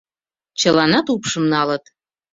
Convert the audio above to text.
Чыланат упшым налыт.